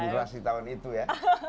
kejurasi tahun itu ya